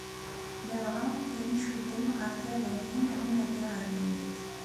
Ladɣa ayen i icudden ɣer tarrayin n unadi ɣer yinig.